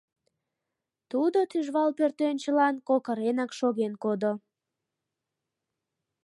Тудо тӱжвал пӧртӧнчылан кокыренак шоген кодо.